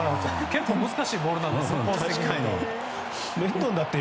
結構難しいボールなんですけど。